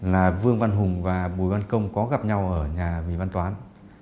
là vương văn hùng và bùi văn công có gặp nhau ở nhà vị văn toán